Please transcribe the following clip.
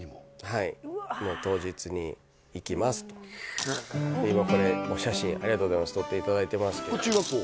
はいもう当日に「行きます」と今これお写真ありがとうございます撮っていただいてますけどこれ中学校？